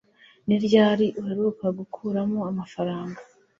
ni ryari uheruka gukuramo amafaranga